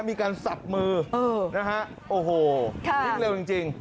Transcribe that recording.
มีการสับมือนะฮะโอ้โหวิ่งเร็วจริง